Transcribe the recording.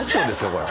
これ。